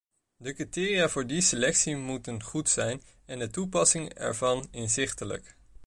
De criteria voor die selectie moeten goed zijn en de toepassing ervan inzichtelijk.